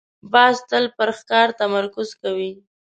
باز تل پر ښکار تمرکز کوي